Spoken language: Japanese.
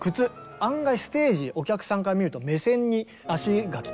案外ステージお客さんから見ると目線に足が来たりするんですよ。